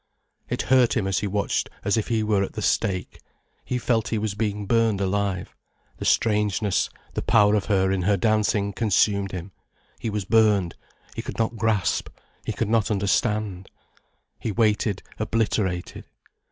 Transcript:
It hurt him as he watched as if he were at the stake. He felt he was being burned alive. The strangeness, the power of her in her dancing consumed him, he was burned, he could not grasp, he could not understand. He waited obliterated.